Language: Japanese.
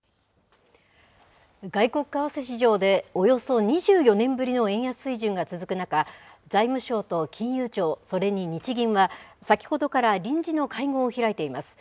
外国為替市場でおよそ２４年ぶりの円安水準が続く中、財務省と金融庁、それに日銀は、先ほどから臨時の会合を開いています。